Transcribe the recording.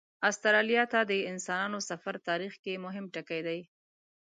استرالیا ته د انسانانو سفر تاریخ کې مهم ټکی دی.